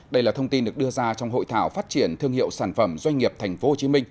đây là thông tin được đưa ra trong hội thảo phát triển thương hiệu sản phẩm doanh nghiệp tp hcm